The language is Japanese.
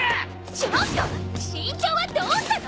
ちょっと慎重はどうしたの！？